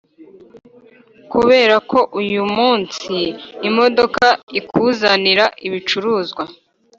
kubera ko uyumunsi imodoka ikuzanira ibicuruzwa